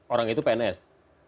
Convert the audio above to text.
orang itu pns